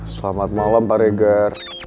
selamat malam pak regar